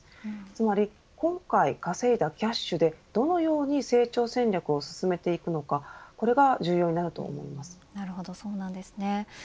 つまり今回稼いだキャッシュでどのように成長戦略を進めていくのかなるほど、そうなんですね。